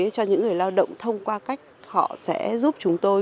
cho những người lao động thông qua cách họ sẽ giúp chúng tôi